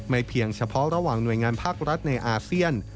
เพียงเฉพาะระหว่างหน่วยงานภาครัฐในอาเซียน